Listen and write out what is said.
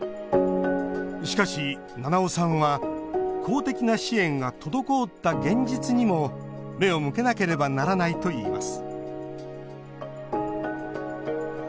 しかし、七尾さんは公的な支援が滞った現実にも目を向けなければならないと言います